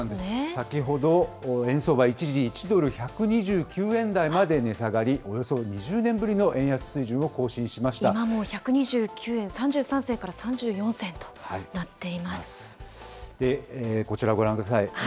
先ほど、円相場、一時１ドル１２９円台まで値下がり、およそ２０今も１２９円３３銭から３４こちらご覧ください。